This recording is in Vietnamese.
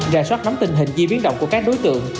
ra soát nắm tình hình di biến động của các đối tượng